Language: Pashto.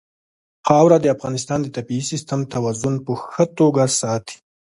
خاوره د افغانستان د طبعي سیسټم توازن په ښه توګه ساتي.